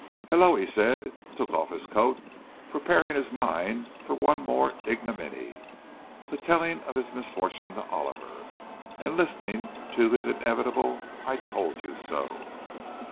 "Hello," he said, and took off his coat, preparing his mind for one more ignominy—the telling of his misfortune to Oliver, and listening to his inevitable, "I told you so."